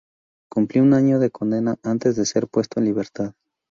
Cumplió un año de condena antes de ser puesto en libertad.